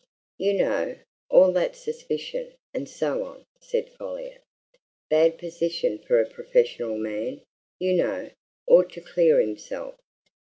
"You know all that suspicion and so on," said Folliot. "Bad position for a professional man, you know ought to clear himself.